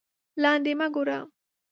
لاندې مه گوره